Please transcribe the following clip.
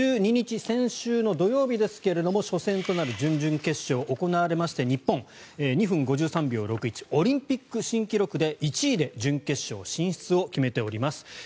１２日、先週の土曜日ですが初戦となる準々決勝が行われまして日本、２分５３秒６１オリンピック新記録で、１位で準決勝進出を決めております。